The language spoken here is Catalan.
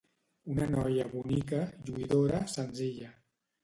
—Una noia bonica, lluïdora, senzilla.